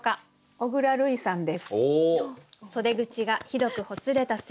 小倉るいさんです。